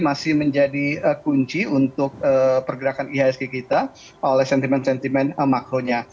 masih menjadi kunci untuk pergerakan ihsg kita oleh sentimen sentimen makronya